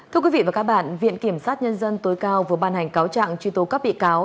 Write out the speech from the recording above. thưa quý vị và các bạn viện kiểm sát nhân dân tối cao vừa ban hành cáo trạng truy tố các bị cáo